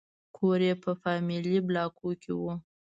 کور یې په فامیلي بلاکونو کې و.